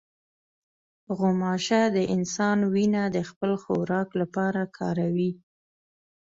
غوماشه د انسان وینه د خپل خوراک لپاره کاروي.